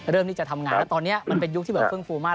เริ่มที่จะทำงานตอนนี้มันเป็นยุคที่เบอร์ฟึงฟูมาก